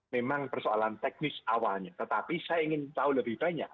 memang persoalan teknis awalnya tetapi saya ingin tahu lebih banyak